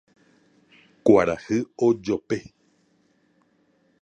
Kuarahy ojope